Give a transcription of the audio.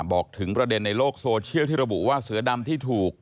บอกถึงประเด็นในโลกโซเชียลที่ระบุว่าเสือดำที่ถูก